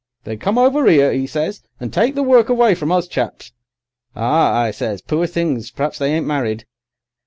"'They come over 'ere,' 'e says, 'and take the work away from us chaps.' "'Ah,' I says, 'poor things, perhaps they ain't married.